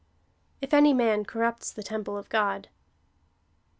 If any man corrupts the temple of God.